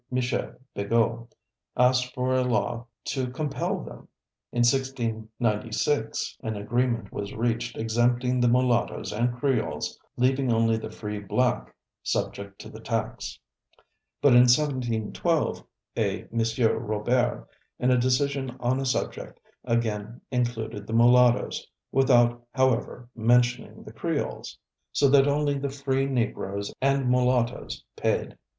Michel Begou, asked for a law to compel them. In 1696, an agreement was reached exempting the Mulattoes and Creoles, leaving only the free black subject to the tax. But in 1712, a M. Robert, in a decision on a subject, again included the Mulattoes, without, however, mentioning the Creoles, so that only the free Negroes and Mulattoes paid.